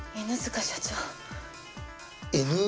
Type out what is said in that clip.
犬塚社長？